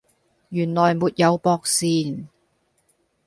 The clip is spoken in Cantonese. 原來沒有駁線